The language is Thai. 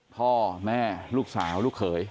พ่อแม่ลูกสาวลูกเขย